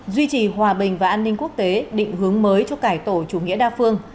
duy trì hòa bình và an ninh quốc tế định hướng mới cho cải tổ chủ nghĩa đa phương